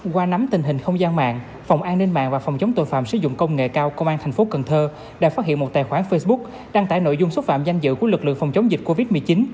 qua nắm tình hình không gian mạng phòng an ninh mạng và phòng chống tội phạm sử dụng công nghệ cao công an thành phố cần thơ đã phát hiện một tài khoản facebook đăng tải nội dung xúc phạm danh dự của lực lượng phòng chống dịch covid một mươi chín